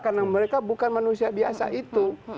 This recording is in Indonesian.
karena mereka bukan manusia biasa itu